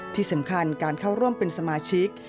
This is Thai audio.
ที่สำคัญการเข้าร่วมเป็นสมาชิก